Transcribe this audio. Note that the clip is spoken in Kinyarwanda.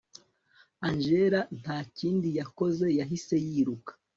angella ntakindi yakoze yahise yiruka